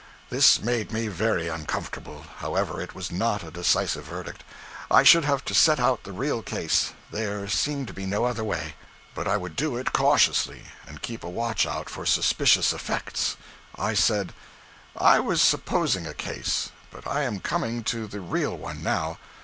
This made me very uncomfortable. However, it was not a decisive verdict. I should have to set out the real case there seemed to be no other way. But I would do it cautiously, and keep a watch out for suspicious effects. I said 'I was supposing a case, but I am coming to the real one now.